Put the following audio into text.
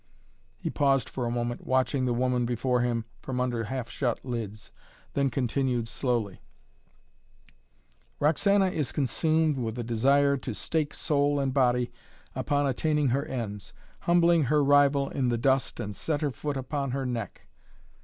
He paused for a moment, watching the woman before him from under half shut lids, then continued slowly: "Roxana is consumed with the desire to stake soul and body upon attaining her ends, humbling her rival in the dust and set her foot upon her neck.